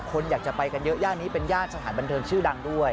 คนอยากจะไปกันเยอะย่านนี้เป็นย่านสถานบันเทิงชื่อดังด้วย